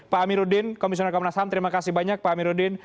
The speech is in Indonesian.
pak amiruddin komisioner komnas ham terima kasih banyak pak amiruddin